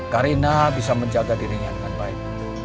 karina bisa menjaga dirinya dengan baik